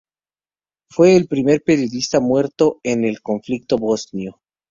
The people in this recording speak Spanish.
Fue el primer periodista muerto en el conflicto bosnio.